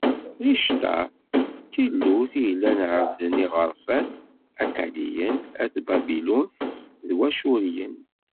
Ɛictar d tillut i llan ɛebbden yiɣerfan: Akkadiyen, At Babilun d Wacuṛiyen.